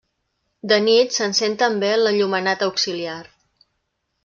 De nit s'encén també l'enllumenat auxiliar.